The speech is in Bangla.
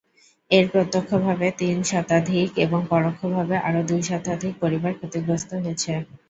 এতে প্রত্যক্ষভাবে তিন শতাধিক এবং পরোক্ষভাবে আরও দুই শতাধিক পরিবার ক্ষতিগ্রস্ত হয়েছে।